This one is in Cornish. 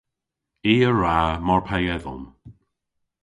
I a wra mar pe edhom.